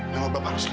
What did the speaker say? namanya bapak rusli